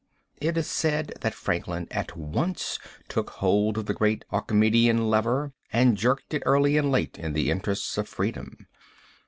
It is said that Franklin at once took hold of the great Archimedean lever, and jerked it early and late in the interests of freedom.